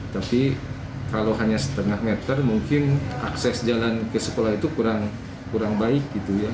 tapi kalau hanya setengah meter mungkin akses jalan ke sekolah itu kurang baik gitu ya